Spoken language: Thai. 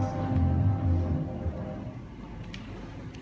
โปรดติดตามตอนต่อไป